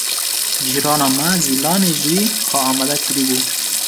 Cîrana me Zîlanê jî xwe amade kiribû.